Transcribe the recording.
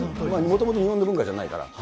もともと日本の文化じゃないから。